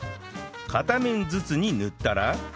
片面ずつに塗ったら